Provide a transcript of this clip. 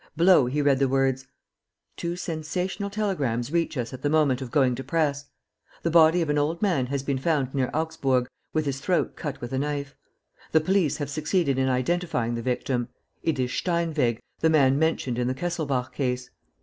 Below he read the words: "Two sensational telegrams reach us at the moment of going to press. "The body of an old man has been found near Augsburg, with his throat cut with a knife. The police have succeeded in identifying the victim: it is Steinweg, the man mentioned in the Kesselbach case.